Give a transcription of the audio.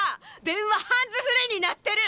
電話ハンズフリーになってる！